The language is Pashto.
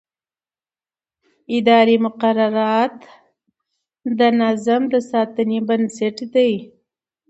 اداري مقررات د نظم د ساتنې بنسټ دي.